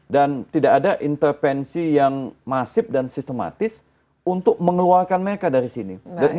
dan tidak ada intervensi yang masif dan sistematis untuk mengeluarkan mereka dari situ